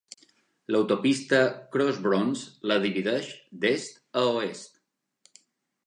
L'autopista Cross Bronx la divideix, d'est a oest.